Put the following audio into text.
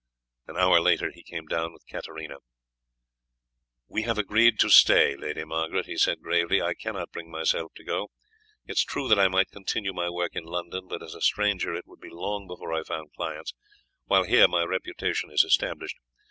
An hour later he came down with Katarina. "We have agreed to stay, Lady Margaret," he said gravely, "I cannot bring myself to go. It is true that I might continue my work in London, but as a stranger it would be long before I found clients, while here my reputation is established.